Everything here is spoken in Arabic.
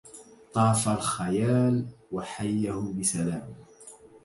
طاف الخيال وحيه بسلام